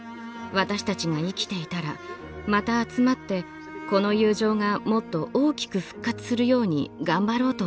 私たちが生きていたらまた集まってこの友情がもっと大きく復活するように頑張ろうと思います。